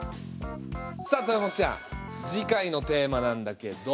さあ豊本ちゃん次回のテーマなんだけど。